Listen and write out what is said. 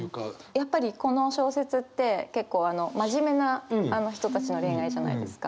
やっぱりこの小説って結構真面目な人たちの恋愛じゃないですか。